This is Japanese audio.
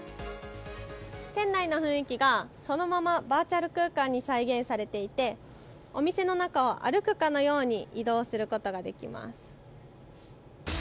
店内の雰囲気がそのままバーチャル空間に再現されていてお店の中を歩くかのように移動することができます。